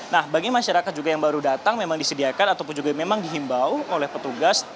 nah bagi masyarakat juga yang baru datang memang disediakan ataupun juga memang dihimbau oleh petugas